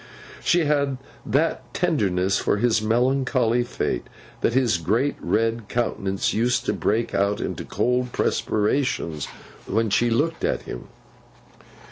She had that tenderness for his melancholy fate, that his great red countenance used to break out into cold perspirations when she looked at him.